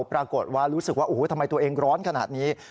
ปรากฏว่ารู้สึกว่าโอ้โหทำไมตัวเองร้อนขนาดนี้